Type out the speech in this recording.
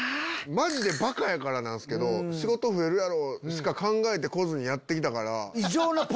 マジでバカやからなんすけど仕事増えるやろう！しか考えて来ずにやって来たから。